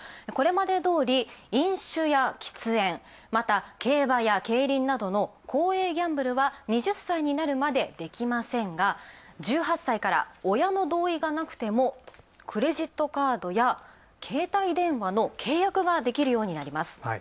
これまでどおり、飲酒や喫煙、また競馬や競輪などの公営ギャンブルは２０歳になるまで、できませんが１８歳から親の同意がなくてもクレジットカードや携帯電話の契約ができるようになります。